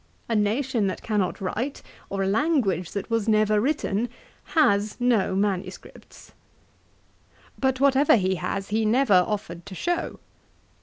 A nation that cannot write, or a language that was never written, has no manuscripts. 'But whatever he has he never offered to show.